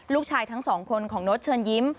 ลูกชายทั้งสองคนของโน๊ตเชิญยิ้ม